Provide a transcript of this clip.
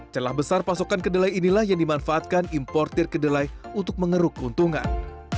celah besar pasokan kedelai inilah yang dimanfaatkan importer kedelai untuk mengeruk keuntungan